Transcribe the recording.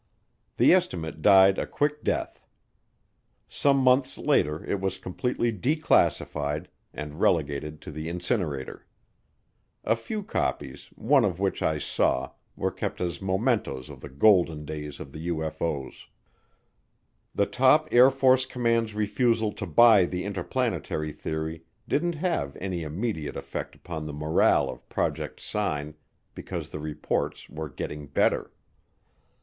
The estimate died a quick death. Some months later it was completely declassified and relegated to the incinerator. A few copies, one of which I saw, were kept as mementos of the golden days of the UFO's. The top Air Force command's refusal to buy the interplanetary theory didn't have any immediate effect upon the morale of Project Sign because the reports were getting better.